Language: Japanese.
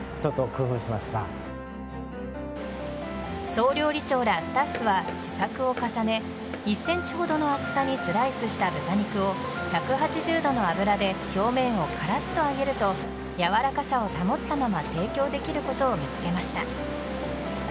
総料理長らスタッフは試作を重ね１ｃｍほどの厚さにスライスした豚肉を１８０度の油で表面をカラッと揚げるとやわらかさを保ったまま提供できることを見つけました。